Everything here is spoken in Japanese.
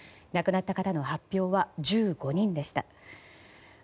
亡くなった方の発表は１５人でした。